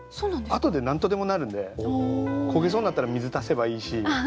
あとで何とでもなるんで焦げそうになったら水足せばいいし